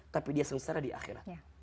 tapi dia sengsara di akhirat